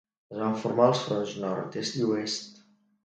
Es van formar els fronts nord, est i oest.